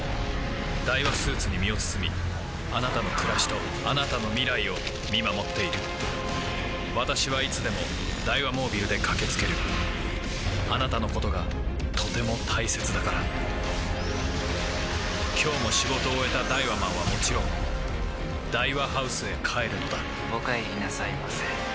ダイワスーツに身を包みあなたの暮らしとあなたの未来を見守っている私はいつでもダイワモービルで駆け付けるあなたのことがとても大切だから今日も仕事を終えたダイワマンはもちろんダイワハウスへ帰るのだお帰りなさいませ。